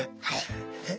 はい。